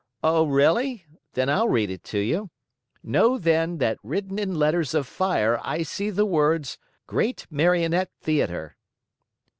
"Oh, really? Then I'll read it to you. Know, then, that written in letters of fire I see the words: GREAT MARIONETTE THEATER.